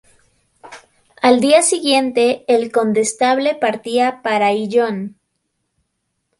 Al día siguiente el condestable partía para Ayllón.